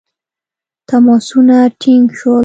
تماسونه ټینګ شول.